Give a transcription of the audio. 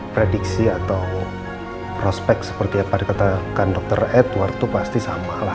prediksi atau prospek seperti yang tadi katakan dr edward itu pasti sama lah